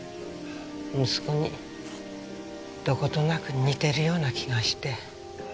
息子にどことなく似てるような気がして。